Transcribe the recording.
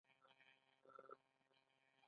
پر بیت المقدس حمله وکړه.